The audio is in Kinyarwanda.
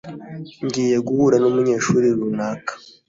Ngiye guhura numunyeshuri runaka.